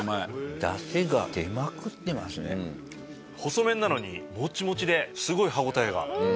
細麺なのにモチモチですごい歯応えが。